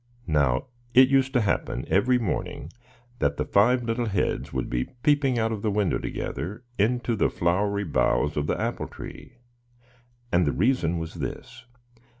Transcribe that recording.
Now it used to happen, every morning, that the five little heads would be peeping out of the window, together, into the flowery boughs of the apple tree; and the reason was this.